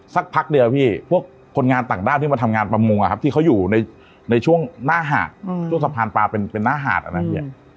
สักพักเดียวพี่พวกคนงานต่างด้าวที่มาทำงานประมงอะครับที่เขาอยู่ในช่วงหน้าหาดช่วงสะพานปลาเป็นหน้าหาดอะนะพี่